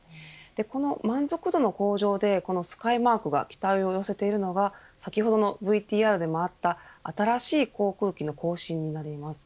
この満足度の向上でスカイマークが期待を寄せているのが先ほどのＶＴＲでもあった新しい航空機の更新になります。